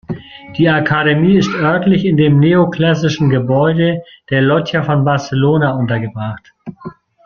Die Akademie ist örtlich in dem neoklassischen Gebäude der Llotja von Barcelona untergebracht.